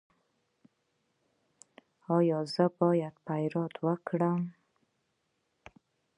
ایا زه باید فریاد وکړم؟